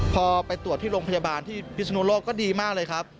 พอไปตรวจที่โรงพยาบาลที่พิศนุโลกก็ดีมากเลยครับ